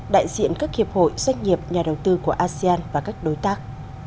đại diện các hiệp hội doanh nghiệp nhà đầu tư của asean và các đối tác